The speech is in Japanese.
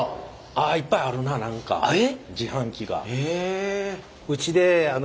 あっいっぱいあるな何か自販機が。